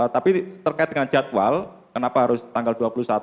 tapi terkait dengan jadwal kenapa harus tanggal dua puluh satu